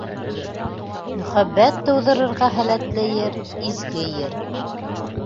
Мөхәббәт тыуҙырырға һәләтле ер - изге ер.